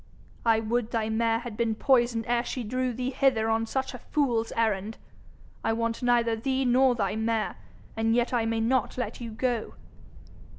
'I would thy mare had been poisoned ere she drew thee hither on such a fool's errand! I want neither thee nor thy mare, and yet I may not let you go!'